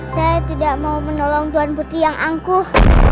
saya tidak mau menolong tuan putri yang angkuh